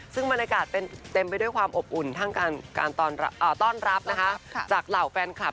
ซึ่งบรรยากาศเต็มไปด้วยความอบอุ่นทั้งการต้อนรับนะคะจากเหล่าแฟนคลับ